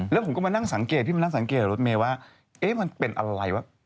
แล้วผมก็มานั่งสังเกตพี่มานั่งสังเกตรถเมย์ว่าเอ๊ะมันเป็นอะไรวะ